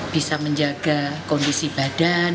bisa menjaga kondisi badan